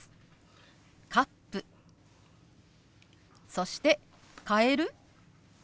そして「変える？」。